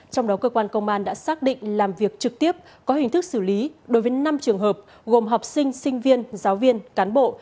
công an đã xác định làm việc trực tiếp có hình thức xử lý đối với năm trường hợp gồm học sinh sinh viên giáo viên cán bộ